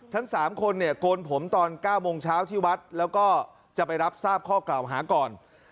ทั้ง๓คนเนี่ยโกนผมตอน๙โมงเช้าที่วัดแล้วก็จะไปรับทราบข้อกล่าวหาก่อน